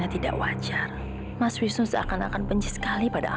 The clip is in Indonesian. tidak mungkin ini salah